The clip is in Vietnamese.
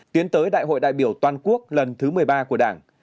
tiến tới đại hội đại biểu toàn quốc lần thứ một mươi ba của đảng